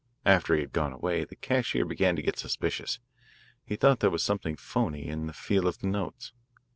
After he had gone away, the cashier began to get suspicious. He thought there was something phoney in the feel of the notes.